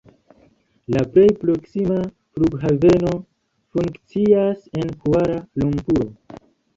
La plej proksima flughaveno funkcias en Kuala-Lumpuro.